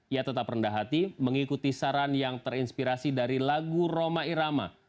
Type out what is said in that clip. ia tetap rendah hati mengikuti saran yang terinspirasi dari lagu roma irama